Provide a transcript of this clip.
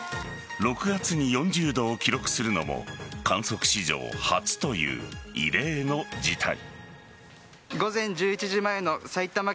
６月に４０度を記録するのも観測史上初という異例の事態。